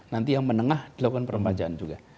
nanti yang menengah dilakukan peremajaan juga